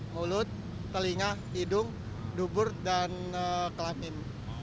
mulut telinga hidung dubur dan kelamin